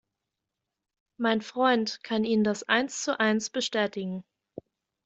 Mein Freund kann Ihnen das eins zu eins bestätigen.